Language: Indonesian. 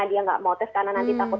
dia nggak mau tes karena nanti takut